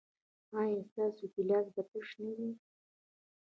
ایا ستاسو ګیلاس به تش نه وي؟